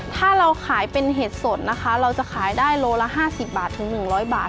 ถ้าเราขายเป็นเห็ดสดนะคะเราจะขายได้โลละ๕๐บาทถึง๑๐๐บาท